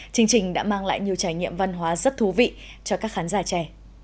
chương trình đã mang lại nhiều trải nghiệm văn hóa rất thú vị cho các khán giả trẻ